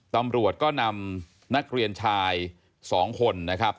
ตำรวจก็นำนักเรียนชาย๒คนนะครับ